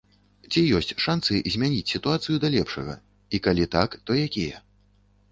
Ці ёсць шанцы змяніць сітуацыю да лепшага і, калі так, то якія?